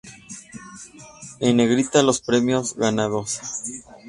En negrita los premios ganados.